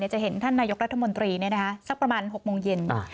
จะเห็นท่านนายกรัฐมนตรีสักประมาณ๖โมงเย็น